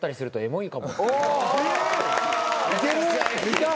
いける？